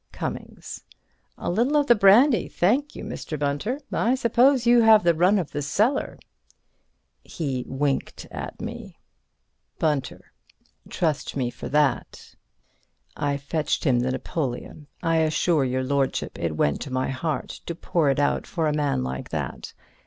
Cummings: A little of the brandy, thank you, Mr. Bunter. I suppose you have the run of the cellar here. (He winked at me.) "Trust me for that," I said, and I fetched him the Napoleon. I assure your lordship it went to my heart to pour it out for a man like that.